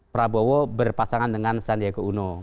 prabowo berpasangan dengan sandiaga uno